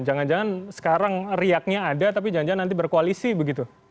jangan jangan sekarang riaknya ada tapi jangan jangan nanti berkoalisi begitu